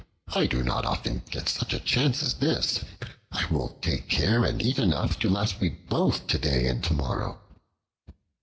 I do not often get such a chance as this. I will take care and eat enough to last me both today and tomorrow."